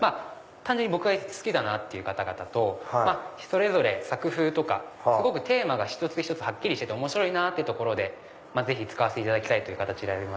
単純に僕が好きだなって方々とそれぞれ作風とかテーマが一つ一つはっきりしてて面白いなってところで使わせていただきたいという形で。